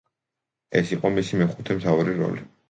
ეს იყო მისი მეხუთე მთავარ როლი.